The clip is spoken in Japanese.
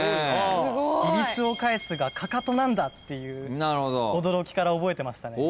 「踵を返す」が「踵」なんだっていう驚きから覚えてましたね。